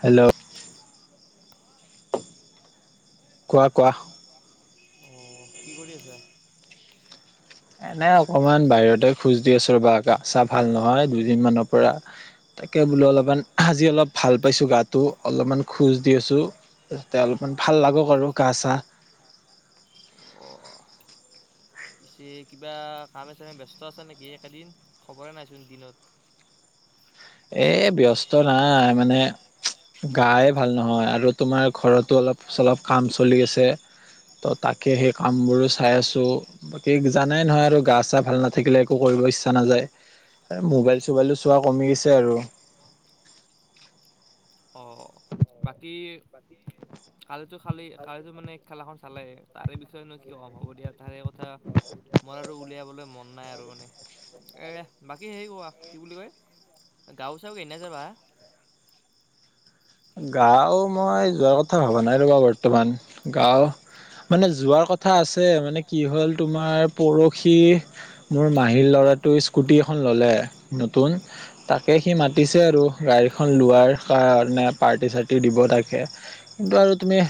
Hello কোৱা কোৱা অ কোৱা অ কি কৰি আছা এনে অকমান বাহিৰতে খোজ দি আছো ৰবা গা চাহ ভাল নহয় কেইদিনমানৰ পৰা তাকে বোলো অলপমান আজি অলপ ভাল পাইছো গাটো অলপমান খোজ দি আছো। তাৰপাছতে অলপমান ভাল লাগক আৰু গা চাহ। গা চাহ। অহ', পিছে কিবা কামে-চামে ব্যস্ত আছে নেকি একেদিন, খবৰে নাইচোন দিনত', এই ব্যস্ত নাই মানে ', গায়ে ভাল নহয় আৰু তোমাৰ ঘৰতো অলপ-চলপ কাম চলি আছে', তো তাকে সেই কামবোৰো চাই আছোঁ', বাকী জানাই নহয় আৰু গা - চা ভাল নাথাকিলে একো কৰিব ইচ্ছা নাযায়', এ মোবাইল - চোবাইলো চোৱা কমি গৈছে আৰু', অ', বাকী, কালিতো খালি কালো মানে খেলাখন', চালে তাৰে বিষয়েনো কি কম হ'ব দিয়া তাৰে কথা', মই আৰু উলিয়াবলৈ মন নাই আৰু মানে, এই বাকী হেৰি কোৱা কি বুলি কয়? গাঁও - চাও এনেই যাবা? গাঁও মই যোৱা কথা ভবা নাই ৰ'বা বৰ্তমান গাঁও', মানে যোৱাৰ কথা আছে, মানে কি হ'ল তোমাৰ পৰখি', মোৰ মাহীৰ ল'ৰাটো স্কুটি এখন ল'লে নতুন', তাকে সি মাতিছে আৰু গাড়ীখন লোৱাৰ কাৰণে', পাৰ্টি - চাৰ্টি দিব তাকে, কিন্তু আৰু তুমি',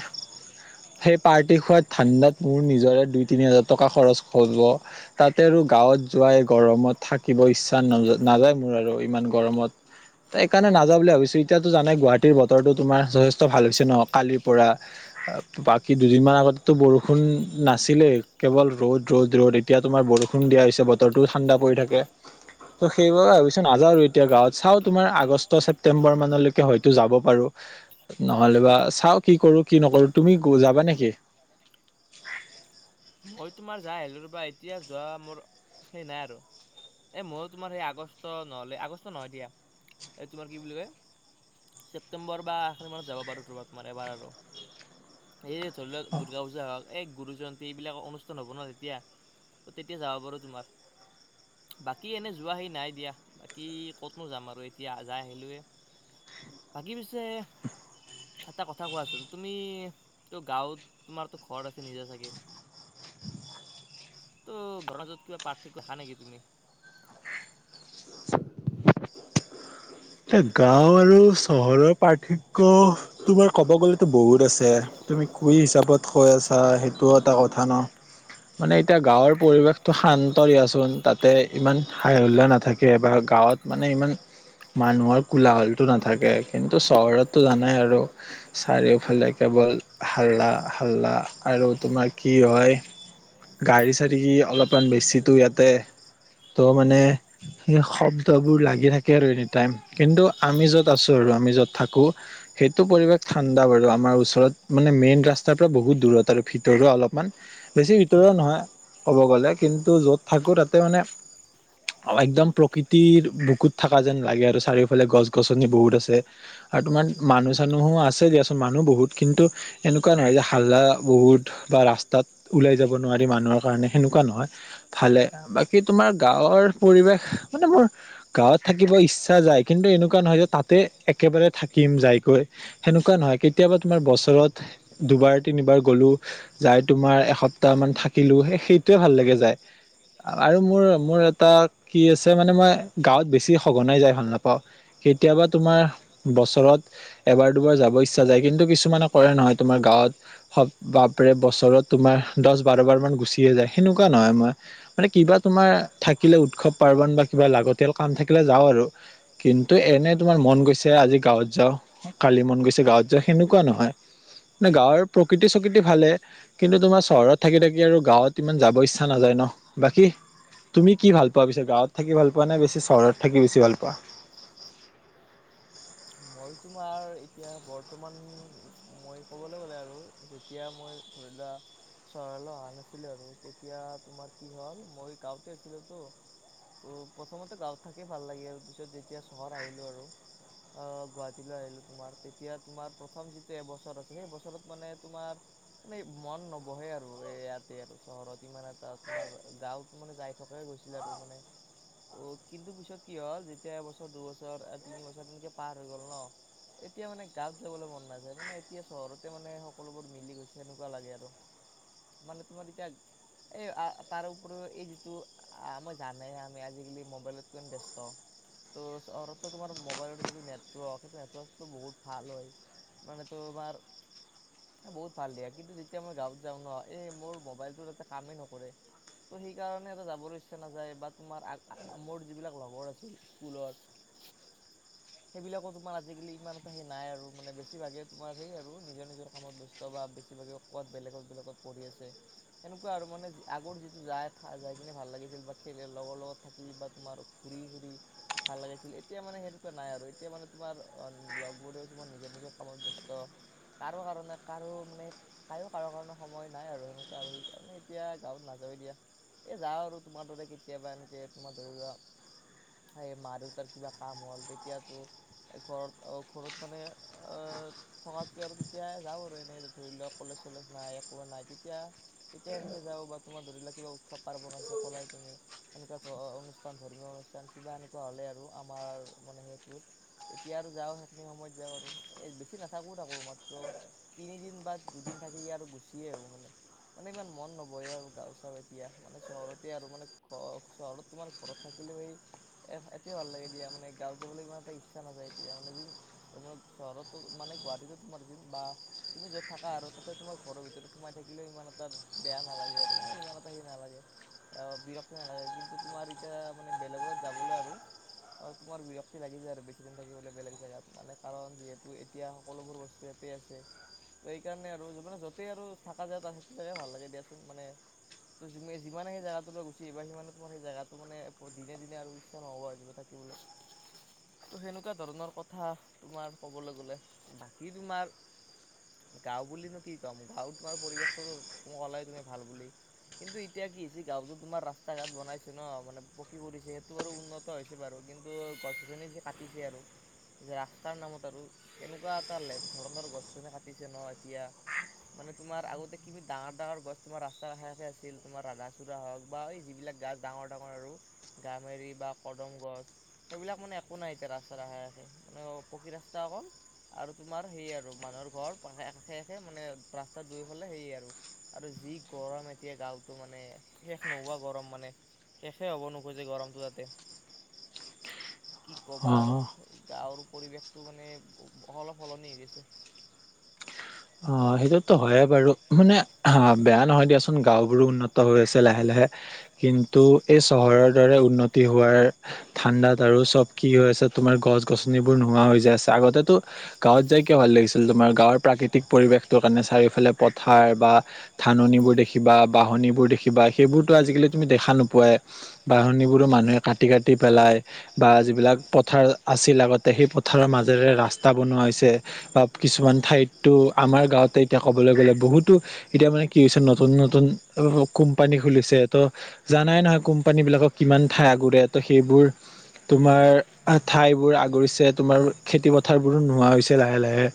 সেই পাৰ্টি খোৱাৰ ধাণ্ডাত মোৰ নিজৰে দুই-তিনি হাজাৰ টকা খৰচ হ'ব', তাতে আৰু গাঁৱত যোৱাই গৰমত থাকিব ইচ্ছা না নাযায় মোৰ আৰু ইমান গৰমত', ত এইকাৰণে নাযাওঁ বুলি ভাবিছোঁ, এতিয়াতো জানাই গুৱাহাটীৰ বতৰো তোমাৰ যথেষ্ট ভাল হৈছে ন কালিৰ পৰা', অ', বাকী দুদিনমান আগতে তো বৰষুণ নাছিলেই কেৱল ৰ'দ', -ৰ'দ', - ৰ'দ', এ', এতিয়া তোমাৰ বৰষুণ দিয়া হৈছে বতৰটো ঠাণ্ডা পৰি থাকে', ত' সেইবাবে ভাবিচোন নাযায় আৰু এতিয়া গাঁৱত চাওঁ তোমাৰ আগষ্ট - ছেপ্তেম্বৰ মানলৈকে হয়ত', হয়তো যাব পাৰোঁ, নহ'লে বা চাওঁ কি কৰোঁ কি নকৰোঁ, তুমি যাবা নেকি? মই তোমাৰ যাই আহিলোঁ ৰবা এতিয়া যোৱা মোৰ, সেই নাই আৰু', এই মই তোমাৰ সেই আগষ্ট নহ'লে আগষ্ট নহয় দিয়া, এই তোমাৰ কি বুলি কয়? ছেপ্টেম্বৰ বা আহ', নৱেম্বৰত যাব বাৰু ৰ'বা তোমাৰ এবাৰ আৰু', এই ধৰি লওক দুৰ্গা পূজা হওঁক এই গুৰু জয়ন্তী', এইবিলাক অনুষ্ঠান হ'ব ন তেতিয়া, ত তেতিয়া যাব পাৰোঁ তোমাৰ', বাকী এনে যোৱা সি নাই দিয়া', বাকী ক'ত নো যাম আৰু এতিয়া যাই আহিলোঁ এই, বাকী পিছে', এটা কথা কোৱাচোন তুমি তাটো গাঁৱত তোমাৰতো ঘৰ আছে নিজে চাগে', সেইটো গণৰাজ্যত কিবা পাৰ্থক্য দেখা নেকি তুমি? এ গাঁও আৰু চহৰৰ পাৰ্থক্য তোমাৰ ক'ব গ'লেতো বহুত আছে', তুমি কি হিচাপত কৈ আছা সেইটোও এটা কথা ন', মানে এতিয়া গাঁৱৰ পৰিৱেশটো শান্ত দিয়াচোন তাতে ইমান হাই - হল্লা নাথাকে বা গাঁৱত', মানে ইমান', মানুহৰ কোলাহলটো নাথাকে কিন্তু চহৰতটো জানাই আৰু', চাৰিওফালে কেৱল হাল্লা - হাল্লা আৰু তোমাৰ কি হয়? গাড়ী - চাড়ী কি অলপমান বেছিতো ইয়াতে', ত' মানে শ', - শব্দবোৰ লাগি থাকে আৰু এনি', এনিটাইম, কিন্তু আমি য'ত আছোঁ আৰু আমি য'ত থাকোঁ', সেইটো পৰিৱেশ ঠাণ্ডা বাৰু আমাৰ ওচৰত মানে মেইন ৰাস্তাৰ পৰা বহুত দূৰত আৰু ভিতৰো অলপমান', বেছি ভিতৰোৱা নহয়, ক'ব গ'লে কিন্তু য'ত থাকোঁ তাতে মানে', অ', একদম প্ৰকৃতিৰ বুকুত থাকা যেন', লাগে আৰু চাৰিওফালে গছ - গছনি বহুত আছে', আৰু তোমাৰ মানুহ - চানুহো আছে দিয়াচোন মানুহ বহুত কিন্তু', এনেকুৱা নহয় যে হাল্লা বহুত বা ৰাস্তাত', ওলাই যাব নোৱাৰি মানুহৰ কাৰণে সেনেকুৱা নহয়', ভালে, বাকী তোমাৰ গাঁৱৰ পৰিৱেশ মানে মোৰ গাঁৱত থাকিব ইচ্ছা', ইচ্ছা যায় কিন্তু এনেকুৱা নহয় যে তাতে একেবাৰে থাকিম যাইকৈ', সেনেকুৱা নহয় কেতিয়াবা তোমাৰ বছৰত দুবাৰ তিনিবাৰ গলো। যাই তোমাৰ এসপ্তাহ মান থাকিলো সেইটোৱে ভাল লাগে যায়। আৰু মোৰ মোৰ এটা কি আছে মানে মই গাঁৱত বেছি সঘনাই যায়। ভাল নাপাওঁ কেতিয়াবা তোমাৰ বছৰত। এবাৰ দুবাৰ যাব ইচ্ছা যায় কিন্তু কিছুমানে কৰে নহয় তোমাৰ গাঁৱত। স বাপৰে বছৰত তোমাৰ দহ বাৰ বাৰমান গুচিয়ে যায় সেনেকুৱা নহয় মই। মানে কিবা তোমাৰ থাকিলে উৎসৱ পাৰ্বণ বা কিবা লাগতিয়াল কাম থাকিলে যাওঁ আৰু। কিন্তু এনে তোমাৰ মন গৈছে আজি গাঁৱত যাওঁ কালি মন গৈছে গাঁৱত যাওঁ সেনেকুৱা নহয়। নে গাঁৱৰ প্ৰকৃতি চকৃতি ভালে কিন্তু তোমাৰ চহৰত। থাকি থাকি আৰু গাঁৱত ইমান যাব ইচ্ছা নাযায় ন বাকী। তুমি কি ভাল পোৱা পিছে গাঁৱত থাকি ভাল পোৱা নে বেছি থাকি বেছি ভাল পোৱা। মই তোমাৰ এতিয়া বৰ্তমান মই ক'বলে গ'লে আৰু যে তিয়া মই ধৰি লোৱা। চহৰলৈ অহা নাছিলে আৰু তেতিয়া তোমাৰ কি হ'ল মই গাঁওতে আছিলো তো। তো' প্ৰথমতে গাঁৱত থাকেই ভাল লাগিল পিছত যেতিয়া চহৰ আহিলোঁ আৰু। অ গুৱাহাটীলৈ আহিলো তোমাৰ তেতিয়া তোমাৰ প্ৰথম যিটো এবছৰ আছে সেই বছৰত মানে তোমাৰ। মানে মন নবহে আৰু এ ইয়াতে আৰু চহৰত ইমান এটা তোমাৰ গাঁৱত। মানে যাই থকাই গৈছিল আৰু মানে। অ কিন্তু পিছত কি হ'ল যেতিয়া এবছৰ দুবছৰ তিনি বছৰ তেনেকে পাৰ হৈ গ'ল ন এতিয়া মানে গাঁত যাবলৈ মন নাযায় মানে এতিয়া চহৰতে মানে সকলোবোৰ মিলি গৈছে সেনেকুৱা লাগে আৰু মানে তোমাৰ এতিয়া এই তাৰ উপৰিও এই যিটো আমই জানে আমি আজিকালি মোবাইলত কিমান ব্যস্ত ত' চহৰতো তোমাৰ মোবাইল টো নেটৱৰ্ক সেইটো নেটৱৰ্কটো বহুত ভাল হয় মানে তোমাৰ বহুত ভাল দিয়া কিন্তু যেতিয়া মই গাঁৱত যাওঁ ন এই মোৰ মোবাইলটোত এটা কামেই নকৰে। ত' সেইকাৰণে এটা যাবৰ ইচ্ছা নাযায় বা তোমাৰ মোৰ যিবিলাক লগৰ আছিল স্কুলৰ। সেইবিলাকো তোমাৰ আজিকালি ইমান এটা সেই নাই আৰু মানে বেছিভাগে তোমাৰ সেই আৰু নিজৰ নিজৰ কামত ব্যস্ত বা বেছিভাগে। কবাত বেলেগত বেলেগত পৰি আছে। এনেকুৱা আৰু মানে আগৰ যিটো যায় যাই কিনে ভাল লাগিছিল বা খেল লগৰ লগত থাকি বা তোমাৰ। ঘুৰি ফুৰি ভাল লাগাইছিল এতিয়া মানে সেনে কোৱা নাই আৰু। এতিয়া মানে তোমাৰ লগবোৰো তোমাৰ নিজৰ নিজৰ কামত ব্যস্ত। কাৰো কাৰণে কাৰো মানে। কায়ও কাৰো কাৰণে সময় নাই আৰু সেনেকুৱা আৰু সেইকাৰণে এতিয়া গাঁৱত নাযায় দিয়া। এ যাওঁ আৰু তোমাৰ দৰে কেতিয়াবা এনকে তোমাৰ ধৰি লোৱা সেই মাৰ দেউতাৰ কিবা কাম হ'ল তেতিয়াতো ঘৰত ঘৰত মানে অ থকাতকে আৰু তেতিয়াই যাওঁ আৰু এনেই ধৰি লওক কলেজ চলেজ নাই একোবা নাই তেতিয়া তেতিয়া এনকে যাওঁ বা তোমাৰ ধৰি লোৱা কিবা উৎসৱ পাৰ্বণ আছে কলাই তুমি এনেকুৱা ধ অনুষ্ঠান ধৰ্মীয় অনুষ্ঠান কিবা এনেকুৱা হ'লে আৰু আমাৰ মানে সেইটোত এতিয়া আৰু যাওঁ সেইখিনি সময়ত যাওঁ আৰু এ বেছি নাথাকো তাকো মাত্ৰ তিনিদিন বা দুদিন থাকি আৰু গুচিয়ে আহো মানে মানে ইমান মন নবহে আৰু গাওঁ চাওঁ এতিয়া মানে চহৰতে আৰু মানে ঘ চহৰত তোমাৰ ঘৰত থাকিলেও সেই এ এতিয়াও ভাল লাগে দিয়া মানে গাঁও যাবলৈ ইমান এটা ই ইচ্ছা নাযায় এতিয়া মানে যোন তোমাৰ চহৰতো মানে গুৱাহাটীতো তোমাৰ যোন বা তুমি য'ত থাকা আৰু তাতে তোমাৰ ঘৰৰ ভিতৰত সোমাই থাকিলেও ইমান এটা বেয়া নালাগে আৰু মানে সিমান এটা সেই নালাগে অ বিৰক্তি নালাগে কিন্তু তুমাৰ এতিয়া মানে বেলেগত যাবলৈ আৰু আৰু তোমাৰ বিৰক্তি লাগি যায় আৰু বে জি দিন থাকিবলে বেলেগ জেগাত মানে কাৰণ যিহেতু এতিয়া সকলোবোৰ বস্তু ইয়াতেই আছে ত এইকাৰণে আৰু জীৱনত যতেই আৰু থাকা যায় তাত সেইটো জাগাই ভাল লাগে দিয়াচোন মানে ত যিমান সেই জেগাতটোলৈ গুছি আহিবা সিমানে তোমাৰ সেই জাগাটো মানে বহুত দিনে দিনে আৰু ইচ্ছা নহ'ব থাকিব উম ত সেনেকুৱা ধৰণৰ কথা তোমাৰ ক'বলৈ গ'লে, বাকী তোমাৰ- গাওঁ বুলিনো কি কম গাঁওত তোমাৰ পৰিৱেশটো ত ওলাই তুমি ভাল বুলি- কিন্তু এতিয়া কি হৈছে গাঁৱতো তোমাৰ ৰাস্তা ঘাট বনাইছে ন মানে পকী পৰিছে সেইটো আৰু উন্নত- হৈছে বাৰু কিন্তু গছ গছনি যে কাটিছে আৰু। যে ৰাস্তাৰ নামত আৰু এনেকুৱা এটা লে ধৰণৰ গছ চনি কাটিছে নহয় এতিয়া- মানে তোমাৰ আগতে কিমি ডাঙৰ ডাঙৰ গছ তোমাৰ ৰাস্তাৰ কাষে কাষে আছিল তোমাৰ ৰাধা চড়া হওক বা এই যিবিলাক গছ- ডাঙৰ ডাঙৰ আৰু গামেৰি বা কদম গছ সেইবিলাক মানে- কোনাই এতিয়া ৰাস্তাৰ ৰাহে আহে মানে পকী ৰাস্তা অকল- আৰু তোমাৰ সেয়ে আৰু মানুহৰ ঘৰ পাষে আষে একে মানে ৰাস্তাত দুই ফালে সেয়ে আৰু। আৰু যি গৰম এতিয়া গাঁওতো মানে শেষ নোহোৱা গৰম মানে। শেষে হ'ব নোখোজে গৰমটো যাতে। কি ক'বা অ'। আৰু গাঁৱৰ পৰিৱেশটো মানে সল সলনি গৈছে। অ সেইটোতো হয়য়ে বাৰু মানে বেয়া নহয় দিয়াচোন গাঁওবোৰো উন্নত হৈ আছে লাহে লাহে। কিন্তু এই চহৰৰ দৰে উন্নতি হোৱাৰ। ঠাণ্ডাত আৰু চব কি হৈ আছে তোমাৰ গছ গছনিবোৰ নোহোৱা হৈ যায় আছে আগতেতো- গাঁৱত যাই কিয় ভাল এয়া লাগিছিল তোমাৰ গাঁৱৰ প্ৰাকৃতিক পৰিৱেশটো কাৰণে চাৰিওফালে পথাৰ বা- ধাননিবোৰ দেখিবা বাহনিবোৰ দেখিবা সেইবোৰতো আজিকালি তুমি দেখা নোপোৱাই। বাহনিবোৰো মানুহে কাটি কাটি পেলাই- বা যিবিলাক পথাৰ আছিল আগতে সেই পথাৰৰ মাজেৰে ৰাস্তা বনোৱা হৈছে। বা কিছুমান ঠাইতো আমাৰ গাঁৱতে এতিয়া ক'বলৈ গ'লে বহুতো- এতিয়া মানে কি হৈছে নতুন নতুন কোম্পানী খুলিছে ত' জানাই নহয় কোম্পানী বিলাকক কিমান ঠাই আগুৰে তো সেইবোৰ তোমাৰ ঠাইবোৰ আগুৰিছে তোমাৰ খেতি পথাৰবোৰো নোহোৱা হৈছে লাহে লাহে।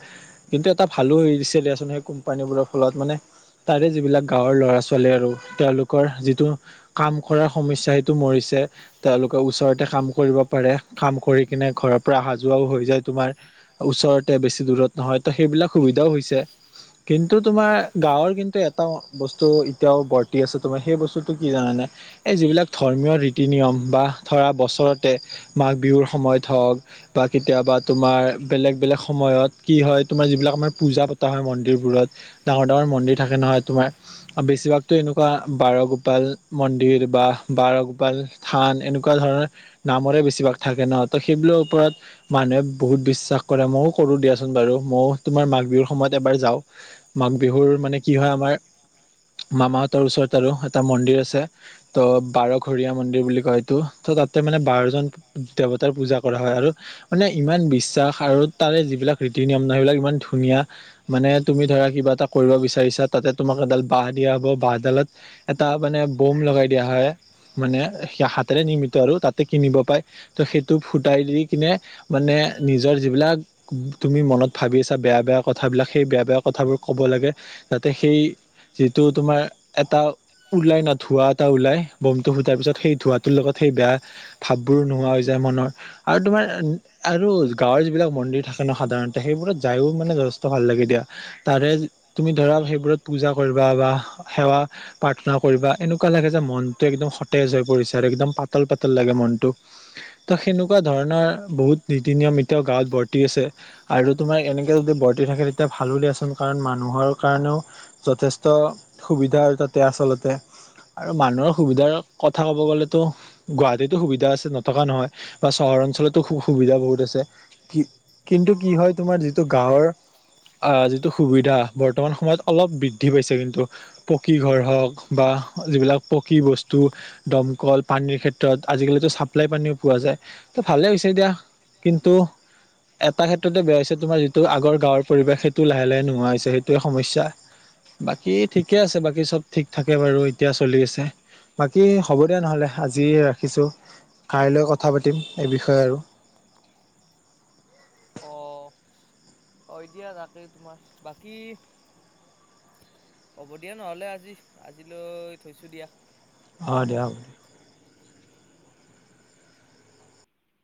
কিন্তু এটা ভালো হৈ গৈছে দিয়া চোন সেই কোম্পানী বোৰৰ ফলত মানে- তাৰে যিবিলাক গাঁৱৰ ল'ৰা ছোৱালী আৰু তেওঁলোকৰ যিটো- কাম কৰা সমস্যা সেইটো মৰিছে। তেওঁলোকে ওচৰতে কাম কৰিব পাৰে, কাম কৰি কিনে ঘৰৰ পৰা অহা যোৱাও হৈ যায় তোমাৰ। ওচৰতে বেছি দূৰত নহয়, ত সেইবিলাক সুবিধাও হৈছে। কিন্তু তোমাৰ গাঁৱৰ কিন্তু এটা বস্তু এতিয়াও বৰ্তি আছে, তোমাৰ সেই বস্তুটো কি জানানে? এই যিবিলাক ধৰ্মীয় ৰীতি নিয়ম বা ধৰা বছৰতে মাঘ বিহুৰ সময়ত হওক বা কেতিয়াবা তোমাৰ বেলেগ বেলেগ সময়ত কি হয় তোমাৰ যিবিলাক আমাৰ পূজা পতা হয়, মন্দিৰবোৰত ডাঙৰ ডাঙৰ মন্দিৰ থাকে নহয় তোমাৰ আৰু বেছিভাগতো এনেকুৱা বাৰগোপাল মন্দিৰ বা বাৰগোপাল, থান এনেকুৱা ধৰণৰ নামৰে বেছিভাগ থাকে ন, ত সেইবিলৰ ওপৰত মানুহে বহুত বিশ্বাস কৰে ময়ো কৰো দিয়াচোন বাৰু মইও। তোমাৰ মাঘ বিহুৰ সময়ত এবাৰ যাওঁ মাঘ বিহুৰ মানে কি হয় আমাৰ মামাহঁতৰ ওচৰত আৰু এটা মন্দিৰ আছে। ত বাৰঘৰীয়া মন্দিৰ বুলি কয় এইটো ত তাতে মানে বাৰজন দেৱতাৰ পূজা কৰা হয় আৰু মানে ইমান বিশ্বাস আৰু তাৰে যিবিলাক ৰীতি নিয়ম নহয় সেইবিলাক ইমান ধুনীয়া। মানে তুমি ধৰা কিবা এটা কৰিব বিচাৰিছা তাতে তোমাক এডাল বাহ দিয়া হব বাঁহডালত এটা মানে বম লগাই দিয়া হয় মানে সে হাতেৰে নিৰ্মিত আৰু তাতে কিনিব পাই। ত' সেইটো ফুটাই দি কিনে মানে নিজৰ যিবিলাক তুমি মনত ভাবি আছা বেয়া বেয়া কথাবিলাক সেই বেয়া বেয়া কথাবোৰ কব লাগে যাতে সেই যিটো তোমাৰ এটা ওলাই না ধোঁৱা এটা ওলাই বমটো ফুটাৰ পিছত সেই ধোঁৱাটোৰ লগত সেই বেয়া ভাববোৰো নোহোৱা হৈ যায় মনৰ। আৰু তোমাৰ আৰু গাঁৱৰ যিবিলাক মন্দিৰ থাকে ন সাধাৰণতে সেইবোৰত যায়ো মানে যথেষ্ট ভাল লাগে দিয়া। তাৰে, তুমি ধৰা, সেইবোৰত পূজা কৰিবা বা সেৱা প্ৰাৰ্থনা কৰিবা। এনেকুৱা লাগে যে, মনটো একদম সতেজ হৈ পৰিছে! আৰু একদম পাতল-পাতল লাগে মনটো। ত' সেনেকুৱা ধৰণৰ, বহুত নীতি-নিয়ম, এতিয়াও গাঁৱত বৰ্তি আছে। আৰু তোমাৰ, এনেকে যদি, বৰ্তি থাকে। তেতিয়া, ভালো দিয়াচোন! কাৰণ, মানুহৰ কাৰণেও যথেষ্ট সুবিধা, তাতে আচলতে। আৰু মানুহৰ সুবিধাৰ, কথা ক'ব গ'লেতো গুৱাহাটীতো সুবিধা আছে, নথকা নহয়। বা চহৰ অঞ্চলতো সুবিধা বহুত আছে। কিন্তু, কি হয় তোমাৰ, যিটো গাঁৱৰ আঁ যিটো সুবিধা, বৰ্তমান সময়ত, অলপ বৃদ্ধি পাইছে, কিন্তু। পকী ঘৰ হওঁক বা যিবিলাক পকী বস্তু দমকল পানীৰ ক্ষেত্ৰত, আজিকালিতো, চাপ্লাই পানীও পোৱা যায়। ত' ভালে হৈছে দিয়া। কিন্তু, এটা ক্ষেত্ৰতে বেয়া হৈছে। এইটো, তোমাৰ যিটো, আগৰ গাঁৱৰ পৰিৱেশ, সেইটো লাহে-লাহে নোহোৱা হৈছে। সেইটোৱে, সমস্যা। বাকী, ঠিকে আছে। বাকী চব, ঠিক থাকে বাৰু। এতিয়া, চলি আছে। বাকী, হ'ব দে নহ'লে, আজি ৰাখিছোঁ। কাইলৈ কথা পাতিম, এই বিষয়ে আৰু। অ'! হয়, দিয়া। তাকেই, তোমাৰ বাকী হ'ব দিয়া, নহ'লে আজি। আজিলৈ থৈছোঁ দিয়া। অ'! দিয়া হ'ব।